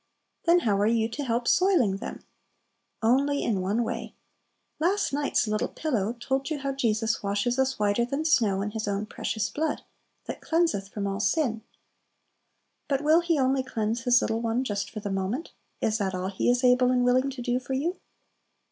Then how are you to help soiling them? Only in one way. Last night's "little pillow" told you how Jesus washes us "whiter than snow" in His own precious blood, that cleanseth from all sin. But will He only cleanse His little one just for the moment? is that all He is able and willing to do for you?